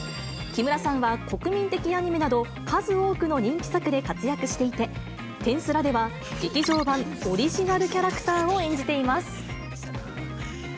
木村さんは国民的アニメなど、数多くの人気作で活躍していて、転スラでは劇場版オリジナルキャラクターを演じています。